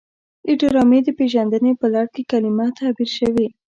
د ډرامې د پیژندنې په لړ کې کلمه تعبیر شوې.